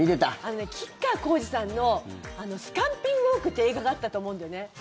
吉川晃司さんの「すかんぴんウォーク」って映画があったと思うんだよね。